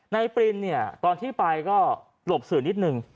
นายปริณภาพตอนที่ไปก็หลบสื่อนิดนึง